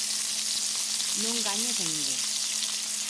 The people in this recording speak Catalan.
No enganyes a ningú.